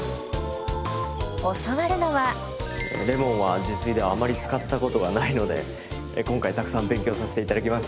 教わるのはレモンは自炊ではあまり使ったことがないので今回たくさん勉強させて頂きます！